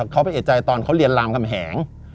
เขาไปเอกใจตอนเขาเรียนรามคำแหง